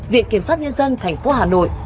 viện kiểm soát nhân dân thành phố hà nội